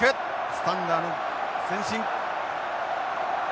スタンダーの前進。